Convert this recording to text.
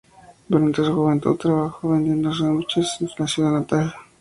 Durante su juventud, trabajó vendiendo sándwiches en su ciudad natal.